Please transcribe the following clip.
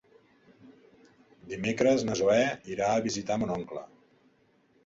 Dimecres na Zoè irà a visitar mon oncle.